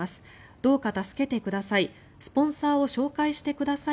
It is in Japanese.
どうか助けてください